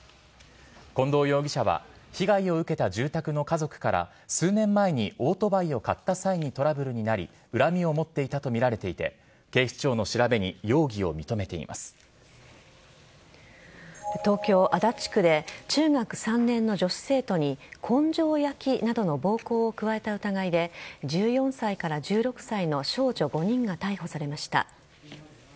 近藤容疑者は被害を受けた住宅の家族から数年前にオートバイを買った際にトラブルになり恨みを持っていたとみられていて警視庁の調べに東京・足立区で中学３年の女子生徒に根性焼きなどの暴行を加えた疑いで１４歳１６歳の少女５人が逮捕されました。